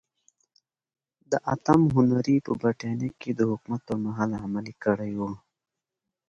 د اتم هنري په برېټانیا کې د حکومت پرمهال عملي کړې وه.